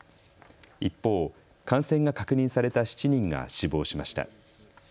一方、感染が確認された７人が死亡しました。